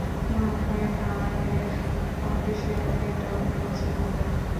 মনে হয়, মারানের অফিসের মেয়েটা ওকে পছন্দ করে।